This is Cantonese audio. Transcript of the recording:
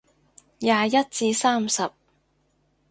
廿一至三十